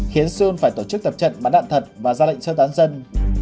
khiến sơn phải tổ chức tập trận bắn đạn thật và ra lệnh sơ tán dân